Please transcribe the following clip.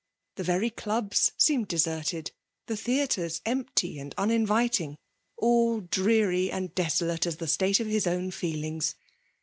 The very Clubs seemed deserted, the theatxes empty and uninyiting ; all, dreary and deso late as the state of his own feelings.